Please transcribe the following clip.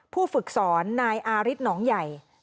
ผู้ฝึกสอนนายอาริสหนองใหญ่